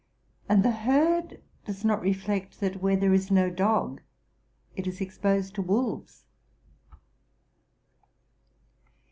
and the herd does not reflect, that, where there is no dog, it is exposed to wolves.